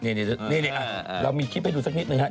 นี่เรามีคลิปให้ดูสักนิดหนึ่งฮะ